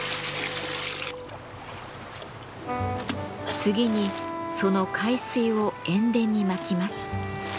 次にその海水を塩田にまきます。